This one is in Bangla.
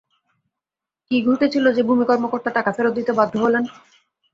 কী ঘটেছিল যে ভূমি কর্মকর্তা টাকা ফেরত দিতে বাধ্য হলেন?